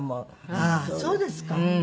ああそうですか。